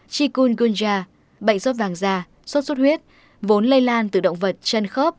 chikungunja bệnh sốt vàng da sốt xuất huyết vốn lây lan từ động vật chân khớp